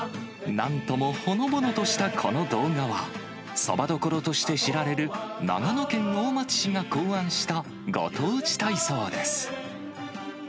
なんともほのぼのとしたこの動画は、そば処として知られる、長野県大町市が考案したご当地体操です。